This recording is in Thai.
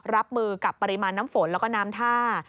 รับมือกับปริมาณน้ำฝนแล้วก็น้ำท่า